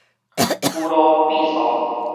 龜叨鱉趖